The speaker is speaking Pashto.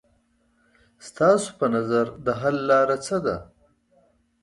ستاسو په نظر د حل لاره څه ده؟